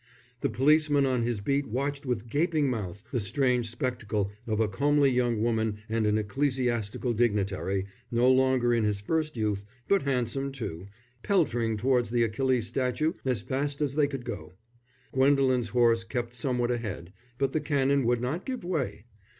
The policeman on his beat watched with gaping mouth the strange spectacle of a comely young woman and an ecclesiastical dignitary, no longer in his first youth but handsome too, peltering towards the Achilles Statue as fast as they could go. Gwendolen's horse kept somewhat ahead, but the Canon would not give way.